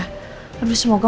semoga mama baik baik aja